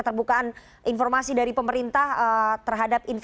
terima kasih banyak sekali